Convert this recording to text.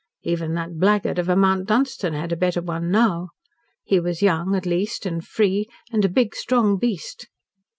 Even that blackguard of a Mount Dunstan had a better one now. He was young, at least, and free and a big strong beast.